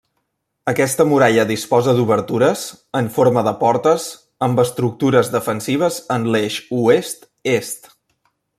Aquesta muralla disposa d'obertures, en forma de portes, amb estructures defensives en l'eix oest-est.